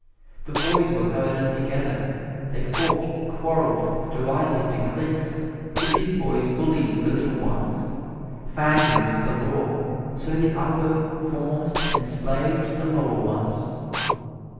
The boys were herded together. They fought, quarreled, divided into cliques; the big boys bullied the little ones. Fagging was the law; so the upper forms enslaved the lower ones.